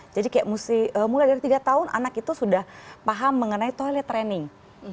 jadi mulai dari tiga tahun anak itu sudah paham mengenai toilet training